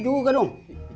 lucu juga dong